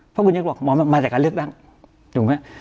เพราะคุณยิ่งหลักมองมาแต่การเลือกตั้งถูกมั้ยฮะ